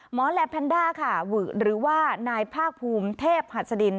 แลแพนด้าค่ะหวือหรือว่านายภาคภูมิเทพหัสดิน